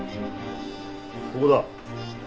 ここだ。